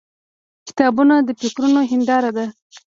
• کتابونه د فکرونو هنداره ده.